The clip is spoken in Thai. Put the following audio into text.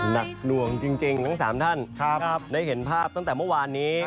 หนักหน่วงจริงทั้ง๓ท่านได้เห็นภาพตั้งแต่เมื่อวานนี้